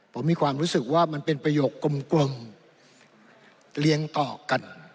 ผมมีความรู้สึกว่ามันเป็นประโยคกลมเลี้ยงต่อกัน